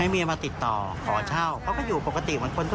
เมียมาติดต่อขอเช่าเขาก็อยู่ปกติเหมือนคน